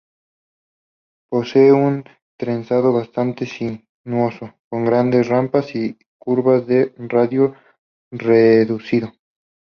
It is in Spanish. Posee un trazado bastante sinuoso, con grandes rampas y curvas de radio reducido.